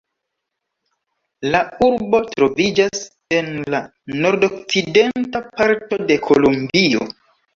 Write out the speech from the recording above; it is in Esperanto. La urbo troviĝas en la nordokcidenta parto de Kolombio.